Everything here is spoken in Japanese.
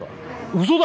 ウソだ！